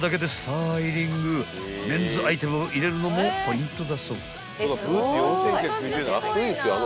［メンズアイテムを入れるのもポイントだそう］